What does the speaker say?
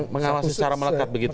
mengawasi secara melekat begitu